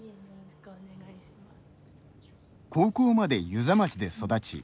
高校まで遊佐町で育ち